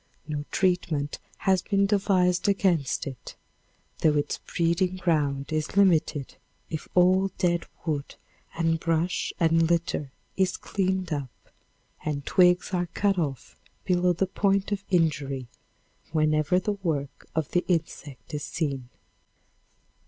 No treatment has been devised against it, though its breeding ground is limited if all dead wood and brush and litter is cleaned up and twigs are cut off below the point of injury whenever the work of the insect is seen.